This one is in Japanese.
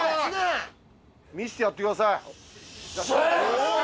見してやってくださいしゃあ！